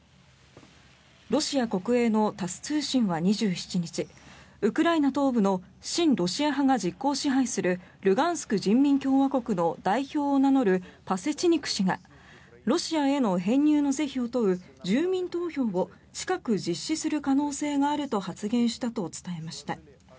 ロシア国営のタス通信は２７日ウクライナ東部の親ロシア派が実効支配するルガンスク人民共和国の代表を名乗るパセチニク氏がロシアへの編入の是非を問う住民投票を近く実施する可能性があると発言したと伝えました。